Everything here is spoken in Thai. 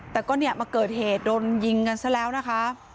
แต่ก็เนี่ยมาเกิดเหตุโดนยิงกันซะแล้วนะคะ